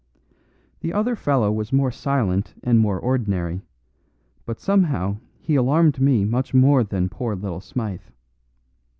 "The other fellow was more silent and more ordinary; but somehow he alarmed me much more than poor little Smythe.